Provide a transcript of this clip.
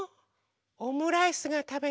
オムライスがたべたい。